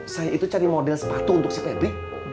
saya itu cari model sepatu untuk si febri